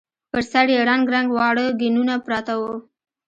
پر سر يې رنګ رنګ واړه ګېنونه پراته وو.